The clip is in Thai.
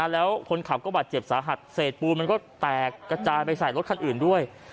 แล้วคนขับก็บาดเจ็บสาหัสเศษปูนมันก็แตกกระจายไปใส่รถคันอื่นด้วย